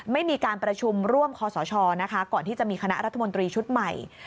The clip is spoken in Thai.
ไม่มีการประชุมร่วมคอสชนะคะก่อนที่จะมีคณะรัฐมนตรีชุดใหม่